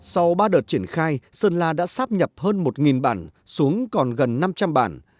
sau ba đợt triển khai sơn la đã sáp nhập hơn một bản xuống còn gần năm trăm linh bản